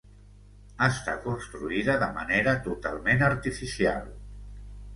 Està construïda de manera totalment artificial.